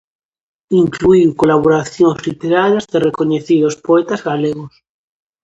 Incluíu colaboracións literarias de recoñecidos poetas galegos.